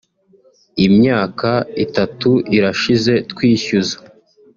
imyaka itatu irashize twishyuza